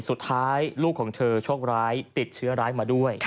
สุดท้ายลูกของเธอโชคร้ายติดเชื้อร้ายมาด้วย